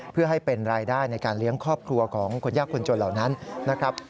เพื่อให้เป็นรายได้ในการเลี้ยงครอบครัวของคนยากคนจนเหล่านั้นนะครับ